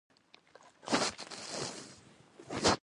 ما ورته وویل موږ له خیره بېرته ژر راستنیږو.